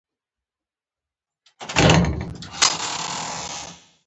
په ټیپ کې د جګجیت سنګ غزلې اوري.